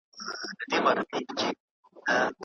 د خلګو شخصي ژوند باید تر څارني لاندي ونه نیول سي.